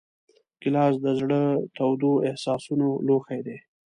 ګیلاس د زړه تودو احساسونو لوښی دی.